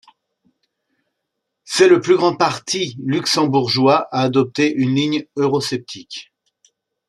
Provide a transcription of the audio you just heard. C'est le plus grand parti luxembourgeois à adopter une ligne eurosceptique.